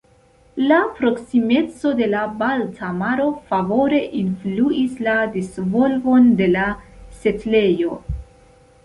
La proksimeco de la Balta Maro favore influis la disvolvon de la setlejo.